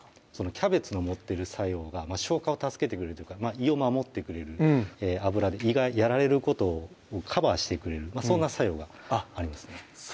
キャベツの持ってる作用が消化を助けてくれるというか胃を守ってくれる油で胃がやられることをカバーしてくれるそんな作用がありますねあっ